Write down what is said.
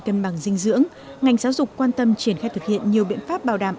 cân bằng dinh dưỡng ngành giáo dục quan tâm triển khai thực hiện nhiều biện pháp bảo đảm